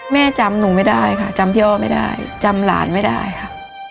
แม่จำหนูไม่ได้ค่ะจำพี่อ้อไม่ได้จำหลานไม่ได้ค่ะ